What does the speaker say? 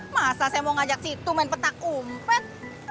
masa saya mau ngajak situ main petak umpet